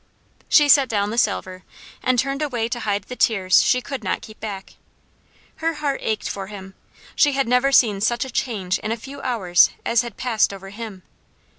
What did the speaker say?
She set down the salver, and turned away to hide the tears she could not keep back. Her heart ached for him. She had never seen such a change in a few hours as had passed over him.